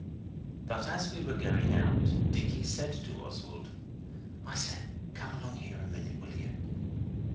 But as we were going out Dicky said to Oswald 'I say, come along here a minute, will you?